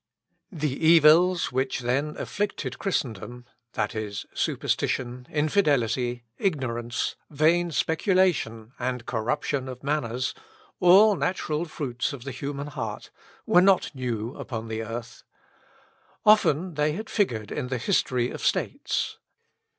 The evils which then afflicted Christendom, viz., superstition, infidelity, ignorance, vain speculation, and corruption of manners all natural fruits of the human heart were not new upon the earth. Often had they figured in the history of states.